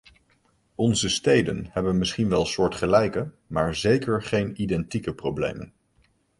Onze steden hebben misschien wel soortgelijke, maar zeker geen identieke problemen.